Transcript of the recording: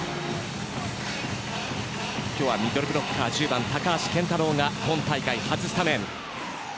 今日はミドルブロッカー１０番、高橋健太郎が今大会初スタメン。